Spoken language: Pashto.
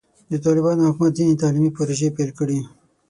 د طالبانو حکومت ځینې تعلیمي پروژې پیل کړي.